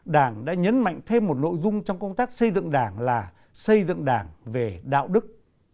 đảng đã nhấn mạnh thêm một nội dung trong công tác xây dựng đảng là xây dựng đảng về đạo đức